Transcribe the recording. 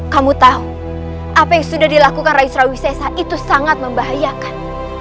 kamu tahu apa yang sudah dilakukan raisra wisesa itu sangat membahayakan